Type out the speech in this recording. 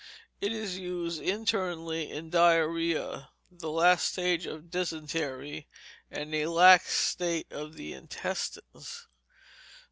It is used internally in diarrhoea, the last stage of dysentery, and a lax state of the intestines.